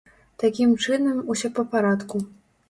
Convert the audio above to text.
Такім чынам, усё па парадку.